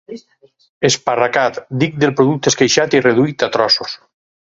esparracat: dit del producte esqueixat i reduït a trossos